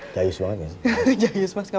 jayus banget ya sih